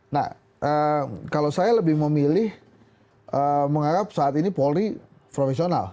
nah kalau saya lebih memilih menganggap saat ini polri profesional